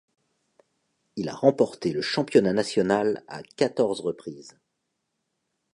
Il a remporté le championnat national à quatorze reprises.